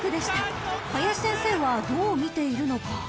［林先生はどう見ているのか？］